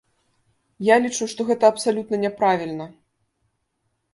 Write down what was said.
Я лічу, што гэта абсалютна няправільна.